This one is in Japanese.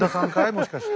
もしかして。